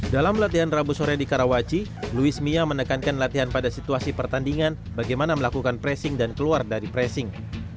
dalam latihan rabu sore di karawaci luis mia menekankan latihan pada situasi pertandingan bagaimana melakukan pressing dan keluar dari pressing